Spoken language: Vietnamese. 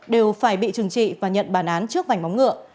đều phải bị trừng trị và nhận bản án trước vành bóng ngựa